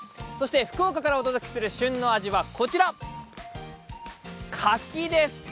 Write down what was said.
福岡からお届けする旬の味はこちら柿です。